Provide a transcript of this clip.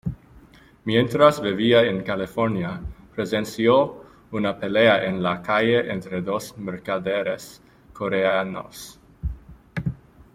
Mientras vivía en California, presenció una pelea en la calle entre dos mercaderes coreanos.